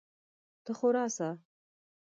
ته خو راسه!